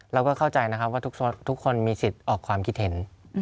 เราก็เข้าใจนะครับว่าทุกคนมีสิทธิ์ออกความคิดเห็น